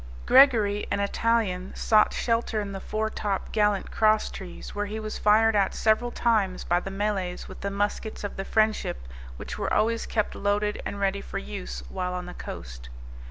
Gregory, an Italian, sought shelter in the foretop gallant cross trees, where he was fired at several times by the Malays with the muskets of the Friendship, which were always kept loaded and ready for use while on the coast.